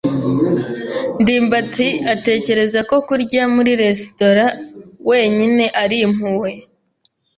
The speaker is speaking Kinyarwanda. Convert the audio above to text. ndimbati atekereza ko kurya muri resitora wenyine ari impuhwe.